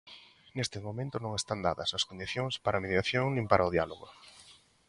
Nestes momentos non están dadas as condicións para a mediación nin para o diálogo.